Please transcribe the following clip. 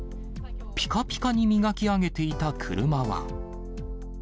ピカピカに磨き上げていた車は。